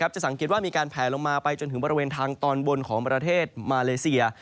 จะสังเกตว่ามีการแผลลงมาไปจนถึงบริเวณทางตอนบนของประเทศมาเลเซีย